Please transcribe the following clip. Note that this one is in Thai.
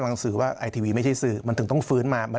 หมายความว่าต้องฟื้นมา